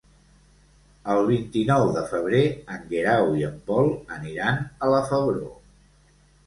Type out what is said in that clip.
El vint-i-nou de febrer en Guerau i en Pol aniran a la Febró.